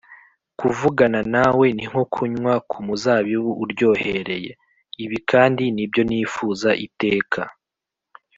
kuvugana nawe ni nko kunywa ku muzabibu uryohereye, ibi kandi nibyo nifuza iteka